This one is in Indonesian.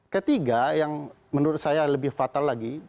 ketiga yang menurut saya lebih fatal lagi